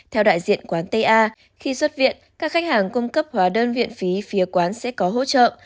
theo đại diện quán ta khi xuất viện các khách hàng cung cấp hóa đơn viện phí phía quán sẽ có hỗ trợ